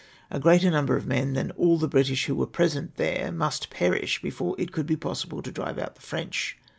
A greater number of men than all the British who were at present there, must perish before it could be possible to drive out the French.